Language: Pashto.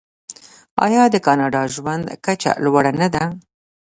آیا د کاناډا ژوند کچه لوړه نه ده؟